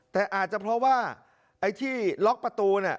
แต่อาจจะเพราะว่าไอ้ที่ล็อกประตูเนี่ย